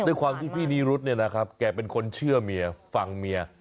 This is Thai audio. ด้วยความที่พี่นิรุธเนี่ยนะครับแกเป็นคนเชื่อเมียฟังเมีย